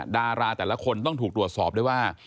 ดาราแต่ละคนต้องถูกตรวจสอบด้วยว่า